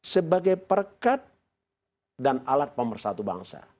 sebagai perkat dan alat pemersatu bangsa